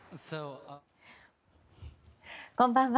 こんばんは。